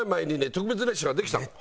特別列車ができたの。